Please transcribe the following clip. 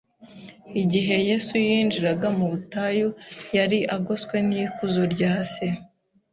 Igihe Yesu yinjiraga mu butayu, yari agoswe n’ikuzo rya Se.